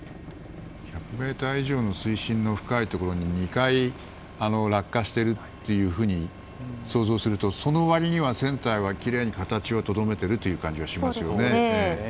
１００ｍ以上の水深の深いところに２回落下していると想像するとその割には船体はきれいに形はとどめている感じはしますね。